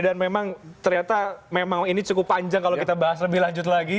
dan memang ternyata memang ini cukup panjang kalau kita bahas lebih lanjut lagi